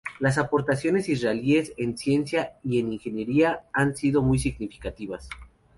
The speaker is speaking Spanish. Las aportaciones israelíes en ciencia y en ingeniería han sido muy significativas.